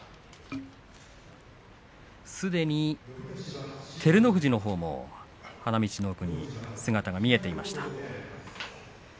すでに照ノ富士のほうも花道の奥に姿が見えていました。